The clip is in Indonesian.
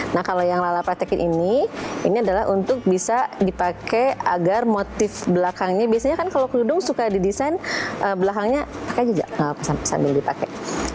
nah kalau yang lala pratekin ini ini adalah untuk bisa dipakai agar motif belakangnya biasanya kan kalau kerudung suka didesain belakangnya pakai jejak sambil dipakai